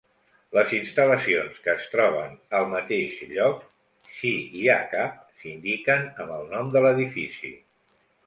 Les instal·lacions que es troben al mateix lloc, si hi ha cap, s'indiquen amb el nom de l'edifici.